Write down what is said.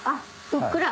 ふっくら。